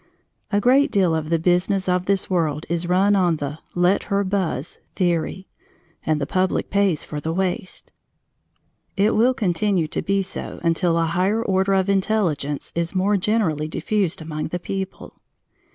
A great deal of the business of this world is run on the "let her buzz" theory, and the public pays for the waste. It will continue to be so until a higher order of intelligence is more generally diffused among the people.